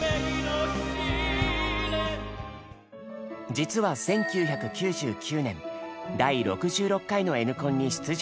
実は１９９９年第６６回の「Ｎコン」に出場した経験が。